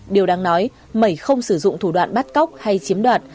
điều đáng nói mẩy không sử dụng thủ đoạn bắt cóc hay chiếm đoạt